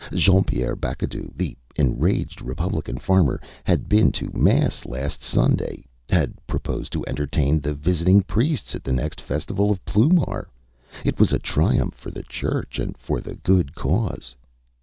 Jean Pierre Bacadou, the enraged republican farmer, had been to mass last Sunday had proposed to entertain the visiting priests at the next festival of Ploumar! It was a triumph for the Church and for the good cause.